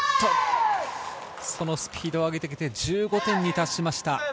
スピード上げてきて１５点に達しました。